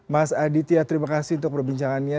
mas aditya terima kasih untuk perbincangannya